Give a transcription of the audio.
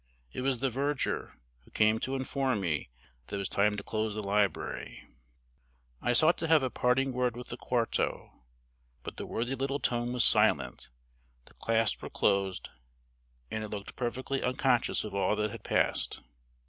It was the verger, who came to inform me that it was time to close the library. I sought to have a parting word with the quarto, but the worthy little tome was silent; the clasps were closed: and it looked perfectly unconscious of all that had passed.